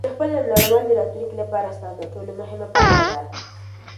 د خپل علم لوړول د راتلونکي لپاره ستا تر ټولو مهمه پانګه ده.